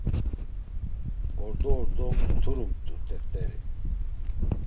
Ordo ordo nkturumt̆u teft̆eri.